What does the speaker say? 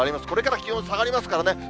これから気温下がりますからね。